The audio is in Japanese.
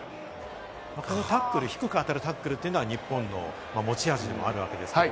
低く当たるタックルというのは、日本の持ち味でもあるわけですけれど。